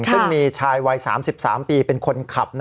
ซึ่งมีชายวัย๓๓ปีเป็นคนขับ